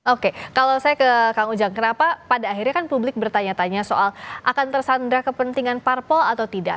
oke kalau saya ke kang ujang kenapa pada akhirnya kan publik bertanya tanya soal akan tersandra kepentingan parpol atau tidak